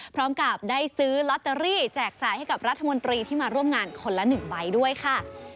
พร้อมกับได้ซื้อลอตเตอรี่แจกจ่ายให้กับรัฐมนตรีที่มาร่วมงานคนละ๑ใบด้วยค่ะ